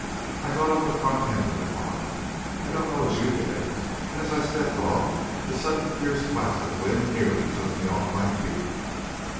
I got off the front end of the car, I don't know what you did, and as I stepped off, a sudden fierce blast of wind nearly took me off my feet.